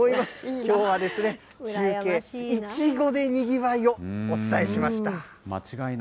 きょうは中継、イチゴでにぎわいを、お伝えしました。